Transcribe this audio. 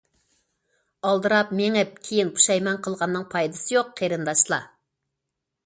ئالدىراپ مېڭىپ كىيىن پۇشايمان قىلغاننىڭ پايدىسى يوق قېرىنداشلار.